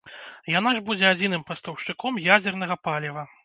Яна ж будзе адзіным пастаўшчыком ядзернага паліва.